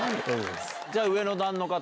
じゃあ上の段の方。